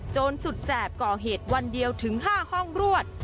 สุดแสบก่อเหตุวันเดียวถึง๕ห้องรวด